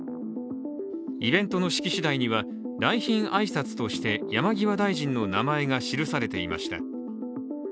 イベントの式次第には、来賓挨拶として山際大臣の名前が記されていました。